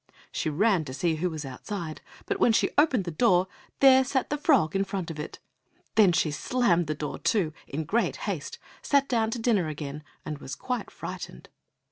She ran to see who was outside, but when she opened the door, there sat the frog in front of it. Then she slammed the door to, in great haste, sat down to dinner again, and was quite frightened.